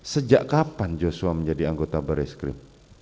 sejak kapan joshua menjadi anggota barreskrim